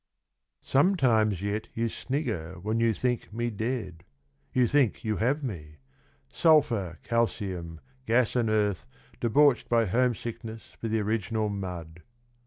Sometimes yet you snigger when you think Me dead ; you think you have me, 66 Elan Vital Sulphur, calcium, gas and earth Debauched bv home sickness for The original mud.